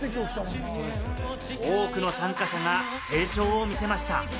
多くの参加者が成長を見せました。